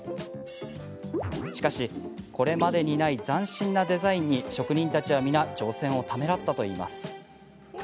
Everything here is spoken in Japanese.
しかし、これまでにない斬新なデザインに職人たちは皆挑戦をためらったといいます。